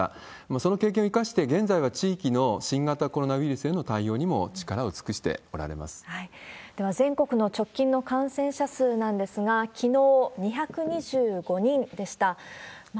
その経験を生かして、現在は地域の新型コロナウイルスへの対応にも力を尽くしておられでは、全国の直近の感染者数なんですが、きのう２２５人でした。